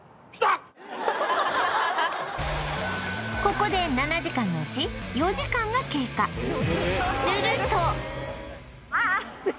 ここで７時間のうち４時間が経過ああ！